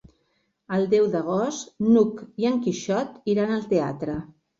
El deu d'agost n'Hug i en Quixot iran al teatre.